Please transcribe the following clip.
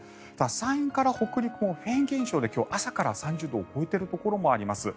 山陰から北陸もフェーン現象で朝から３０度を超えているところもあります。